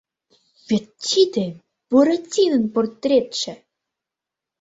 — Вет тиде Буратинон портретше!